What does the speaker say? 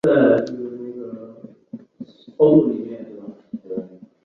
棕竹为棕榈科棕竹属下的一个种。